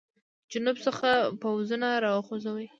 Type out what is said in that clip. جنوب څخه پوځونه را وخوځوي.